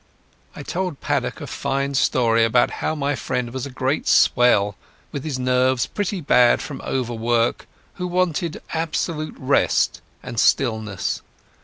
I told Paddock a fine story about how my friend was a great swell, with his nerves pretty bad from overwork, who wanted absolute rest and stillness.